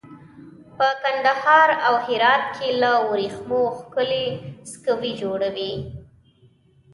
په کندهار او هرات کې له وریښمو ښکلي سکوي جوړوي.